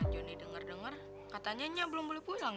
joni denger denger katanya nyak belum boleh pulang ya